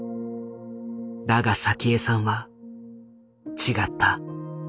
だが早紀江さんは違った。